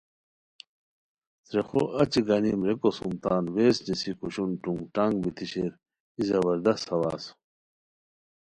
څریخو اچی گانیم ریکو سُم تان ویز نیسی کھوشون ٹونگ ٹانگ بیتی شیر ای زبردست ہواز